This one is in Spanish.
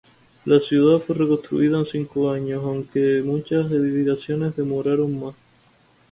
La ciudad fue reconstruida en cinco años, aunque muchas edificaciones demoraron más.